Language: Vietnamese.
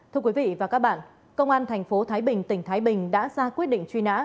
thưa quý vị và các bạn công an thành phố thái bình tỉnh thái bình đã ra quyết định truy nã